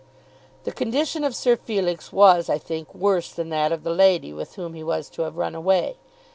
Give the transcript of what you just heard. The condition of Sir Felix was I think worse than that of the lady with whom he was to have run away.